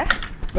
baik bu alisa